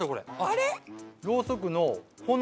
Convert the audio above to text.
あれ？